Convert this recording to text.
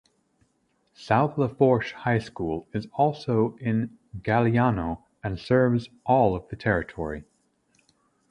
South Lafourche High School is also in Galliano and serves all of the territory.